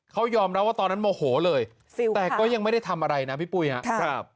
เขายอมรับว่าตอนนั้นโมโหเลยแต่ก็ยังไม่ได้ทำอะไรนะพี่ปุ้ยครับ